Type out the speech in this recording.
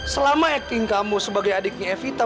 selama acting kamu sebagai adiknya evita